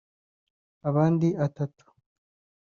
abandi atatu